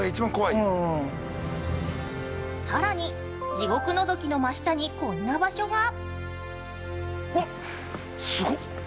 ◆さらに地獄のぞきの真下にこんな場所が◆すごっ。